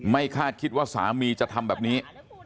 คาดคิดว่าสามีจะทำแบบนี้